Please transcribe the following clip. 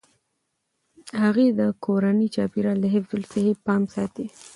هغې د کورني چاپیریال د حفظ الصحې پام ساتي.